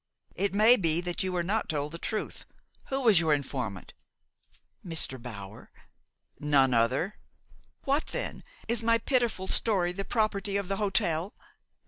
"It may be that you were not told the truth. Who was your informant?" "Mr. Bower." "None other?" "What, then? Is my pitiful story the property of the hotel?"